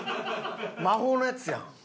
魔法のやつやん。